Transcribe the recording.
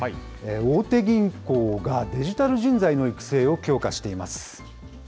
大手銀行が、デジタル人材の育成を強化しています。